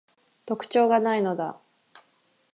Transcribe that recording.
特徴が無いのだ